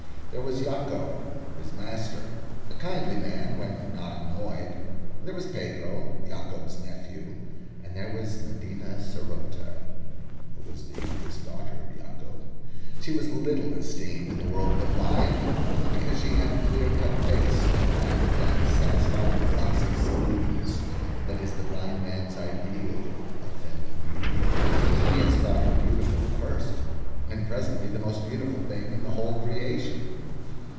There was Yacob, his master, a kindly man when not annoyed; there was Pedro, Yacob's nephew; and there was Medina saroté, who was the youngest daughter of Yacob. She was little esteemed in the world of the blind, because she had a clear cut face, and lacked that satisfying, glossy smoothness that is the blind man's ideal of feminine beauty; but Nunez thought her beautiful at first, and presently the most beautiful thing in the whole creation.